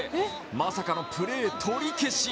まさかのプレー取り消し。